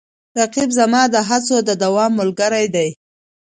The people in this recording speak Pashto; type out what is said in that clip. رقیب زما د هڅو د دوام ملګری دی